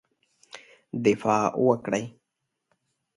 دفاع وکړی.